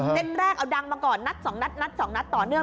เต้นแรกเอาดังมาก่อนนัดสองนัดต่อเนื่อง